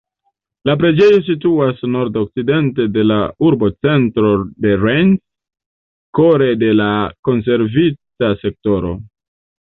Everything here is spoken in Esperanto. La preĝejo situas nordokcidente de la urbocentro de Rennes, kore de la konservita sektoro.